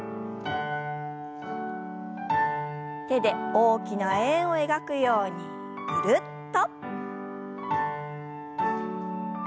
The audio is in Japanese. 手で大きな円を描くようにぐるっと。